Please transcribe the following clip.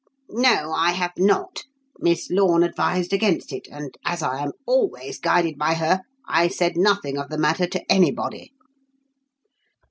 "No, I have not. Miss Lorne advised against it, and, as I am always guided by her, I said nothing of the matter to anybody."